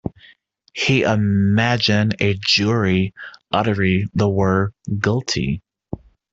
He imagined a jury uttering the word "Guilty."